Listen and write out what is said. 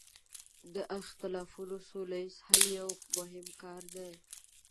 د اختلافونو سوله ییز حل یو مهم کار دی.